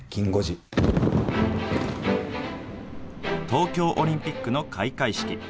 東京オリンピックの開会式。